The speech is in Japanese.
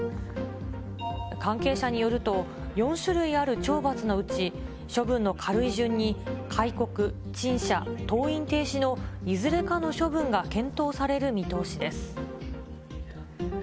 関係者によると、４種類ある懲罰のうち、処分の軽い順に、戒告、陳謝、登院停止のいずれかの処分が検討される見通しです。